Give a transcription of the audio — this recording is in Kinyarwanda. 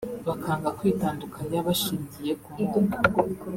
bakanga kwitandukanya bashingiye ku moko